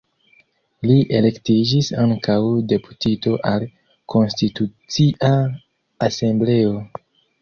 Li elektiĝis ankaŭ deputito al Konstitucia Asembleo.